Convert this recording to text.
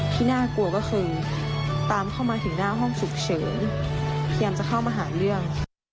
ที่น่ากลัวก็คือตามเข้ามาถึงหน้าห้องฉุกเฉินพยายามจะเข้ามาหาเรื่อง